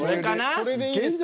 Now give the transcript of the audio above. これでいいですか？